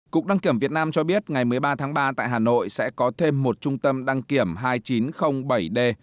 cục đăng kiểm việt nam cho biết ngày một mươi ba tháng ba tại hà nội sẽ có thêm một trung tâm đăng kiểm hai nghìn chín trăm linh bảy d